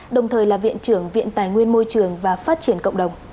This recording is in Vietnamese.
đồng thời là viện trưởng viện tài nguyên môi trường và phát triển cộng đồng